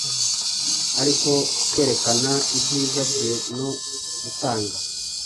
Ariko kwerekana ibyiza bye, no gutanga